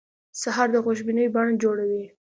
سهار د خوشبینۍ بڼ جوړوي.